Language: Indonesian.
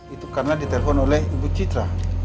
itu karena ditelepon oleh ibu citra